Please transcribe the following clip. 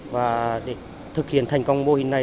và để thực hiện thành công mô hình này